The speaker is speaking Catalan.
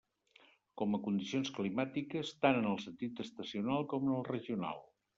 Com a condicions climàtiques, tant en el sentit estacional com en el regional.